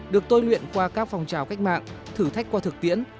được tôi luyện qua các phòng trào cách mạng thử thách qua thực tiễn